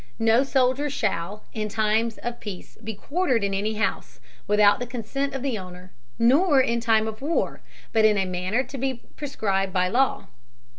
No Soldier shall, in time of peace be quartered in any house, without the consent of the Owner, nor in time of war, but in a manner to be prescribed by law.